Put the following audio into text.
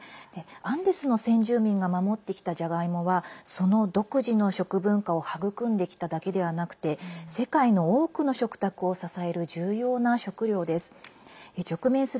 アンデスの先住民が守ってきたじゃがいもはその独自の食文化を育んできただけではなくて世界の多くの食卓を支える重要な食料です。